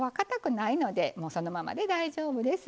ないのでそのままで大丈夫です。